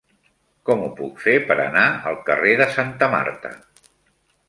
Com ho puc fer per anar al carrer de Santa Marta?